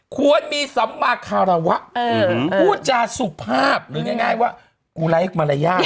ควรมีสัมมาคารวะพูดจาสุภาพหรือง่ายว่ากูไร้มารยาท